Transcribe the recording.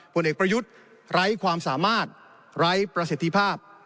ผลเอกประยุทธ์ไร้ความสามารถไร้ประสิทธิภาพ